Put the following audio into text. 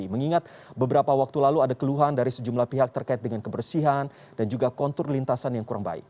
mengingat beberapa waktu lalu ada keluhan dari sejumlah pihak terkait dengan kebersihan dan juga kontur lintasan yang kurang baik